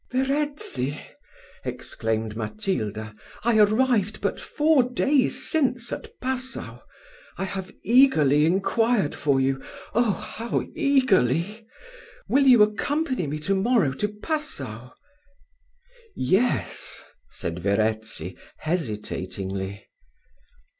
"Verezzi!" exclaimed Matilda, "I arrived but four days since at Passau I have eagerly inquired for you oh! how eagerly! Will you accompany me to morrow to Passau?" "Yes," said Verezzi, hesitatingly.